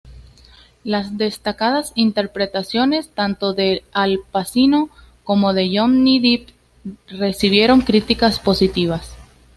Las destacadas interpretaciones tanto de Al Pacino, como de Johnny Depp recibieron críticas positivas.